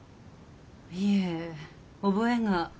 いえ覚えが。